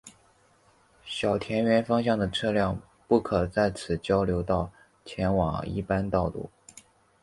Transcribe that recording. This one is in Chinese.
小田原方向的车辆不可在此交流道前往一般道路。